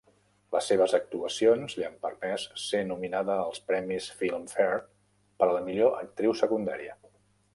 Les seves actuacions li han permès ser nominada als premis Filmfare per a la millor actriu secundària.